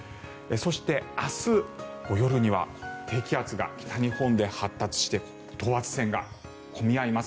そして、明日の夜には低気圧が北日本で発達して等圧線が混み合います。